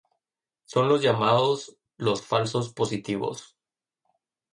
Son los llamados los "falsos positivos".